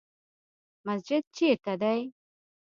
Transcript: مسجد چیرته دی؟